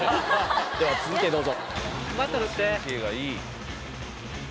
では続いてどうぞ。